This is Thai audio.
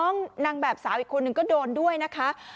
นางแบบสาวอีกคนนึงก็โดนด้วยนะคะ